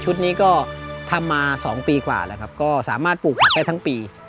นี้ก็ทำมา๒ปีกว่าแล้วครับก็สามารถปลูกผักได้ทั้งปี